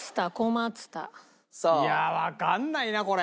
いやあわかんないなこれ。